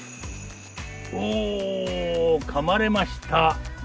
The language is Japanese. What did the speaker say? おお噛まれました。